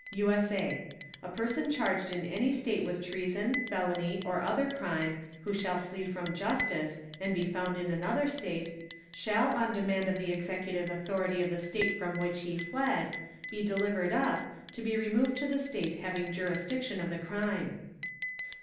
[USA] A Person charged in any State with Treason, Felony, or other Crime, who shall flee from Justice, and be found in another State, shall on Demand of the executive Authority of the State from which he fled, be delivered up, to be removed to the State having Jurisdiction of the Crime.